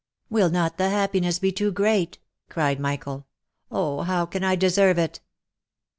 " Will not the happiness be too great?" cried Michael. " Oh ! how can I deserve it